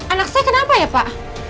anak saya kenapa ya pak